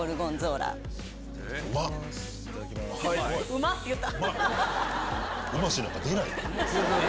「うまっ！」て言った。